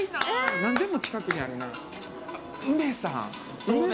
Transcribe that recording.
何でも近くにあるな。